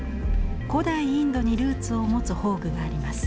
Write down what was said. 古代インドにルーツを持つ法具があります。